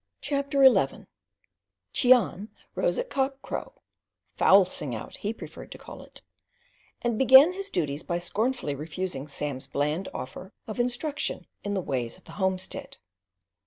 CHAPTER XI Cheon rose at cock crow ("fowl sing out," he preferred to call it), and began his duties by scornfully refusing Sam's bland offer of instruction in the "ways of the homestead."